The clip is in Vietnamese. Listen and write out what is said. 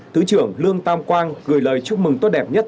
thứ trưởng lương tam quang gửi lời chúc mừng tốt đẹp nhất